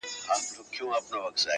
يا الله تې راته ژوندۍ ولره~